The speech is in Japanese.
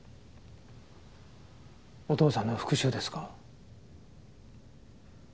お父さんの復讐ですか？